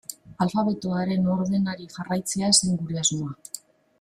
Alfabetoaren ordenari jarraitzea zen gure asmoa.